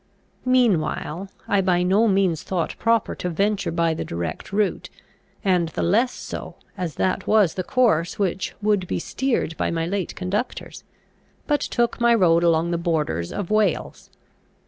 Meanwhile, I by no means thought proper to venture by the direct route, and the less so, as that was the course which would be steered by my late conductors; but took my road along the borders of Wales.